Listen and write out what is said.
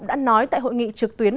đã nói tại hội nghị trực tuyến